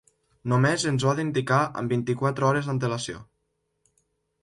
Només ens ho ha d'indicar amb vint-i-quatre hores d'antelació.